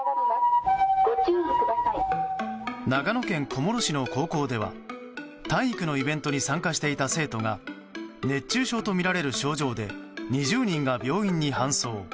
長野県小諸市の高校では体育のイベントに参加していた生徒が熱中症とみられる症状で２０人が病院に搬送